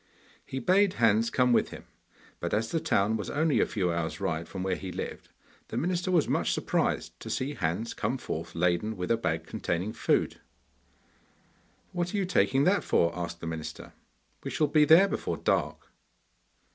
He bade Hans come with him, but, as the town was only a few hours' ride from where he lived, the minister was much surprised to see Hans come forth laden with a bag containing food. 'What are you taking that for?' asked the minister. 'We shall be there before dark.